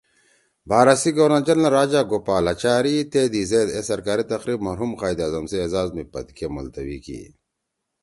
بھارت سی گورنر جنرل راجہ گوپال اچاری تے دی زید اے سرکأری تقریب مرحوم قائد اعظم سی اعزاز می پدیئے ) ملتوی( کی